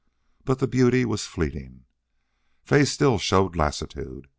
But the beauty was fleeting. Fay still showed lassitude.